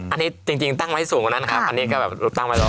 อันนี้จริงตั้งไว้สูงกว่านั้นครับอันนี้ก็แบบตั้งไว้รอ